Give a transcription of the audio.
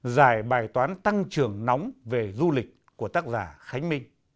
giải bài toán tăng trưởng nóng về du lịch của tác giả khánh minh